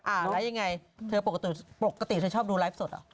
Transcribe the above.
แล้วยังไงเธอปกติเธอชอบดูไลฟ์สดเหรอ